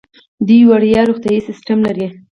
دوی وړیا روغتیايي سیستم لري.